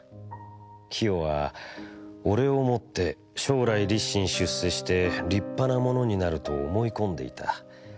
清はおれをもって将来立身出世して立派なものになると思い込んでいた。